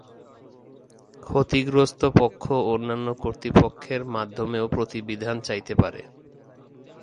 ক্ষতিগ্রস্ত পক্ষ অন্যান্য কর্তৃপক্ষের মাধ্যমেও প্রতিবিধান চাইতে পারে।